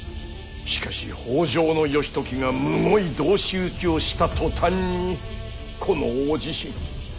しかし北条義時がむごい同士討ちをした途端にこの大地震。